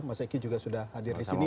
mas eky juga sudah hadir disini